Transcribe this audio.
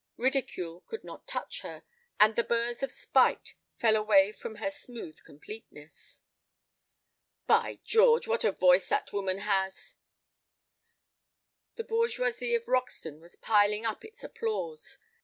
Ridicule could not touch her, and the burrs of spite fell away from her smooth completeness. "By George, what a voice that woman has!" The bourgeoisie of Roxton was piling up its applause.